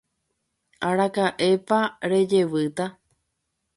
Araka'épa rejevýta.